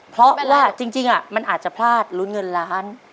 เพราะว่าจริงมันอาจจะพลาดลุ้นเงินล้าน